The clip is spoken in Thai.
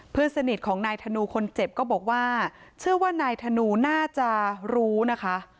เพื่อนสนิทของนายธนูคนเจ็บก็บอกว่าเชื่อว่านายธนูน่าจะรู้นะคะ